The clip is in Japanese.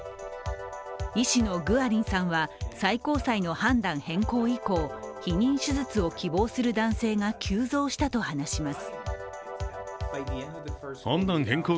医師のグアリンさんは最高裁の判断変更以降、避妊手術を希望する男性が急増したと話します。